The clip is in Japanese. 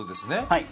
はい。